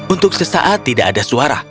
untuk sesaat tidak ada suara